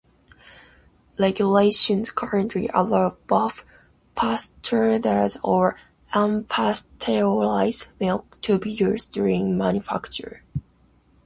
Regulations currently allow both pasteurised or unpasteurised milk to be used during manufacture.